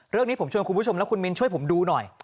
เรื่องนี้ผมชวนคุณผู้ชมและคุณมิ้นช่วยผมดูหน่อย